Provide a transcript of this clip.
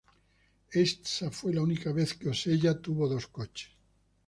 Esa fue la única vez que Osella tuvo dos coches.